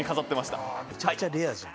めちゃくちゃレアじゃん。